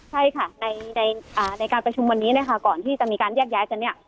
ใช่ค่ะในการประชุมวันนี้นะคะก่อนที่จะมีการแยกย้ายกันเนี่ย